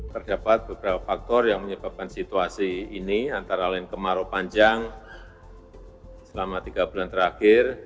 terdapat beberapa faktor yang menyebabkan situasi ini antara lain kemarau panjang selama tiga bulan terakhir